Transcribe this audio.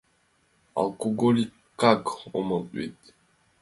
Алкоголикак омыл вет!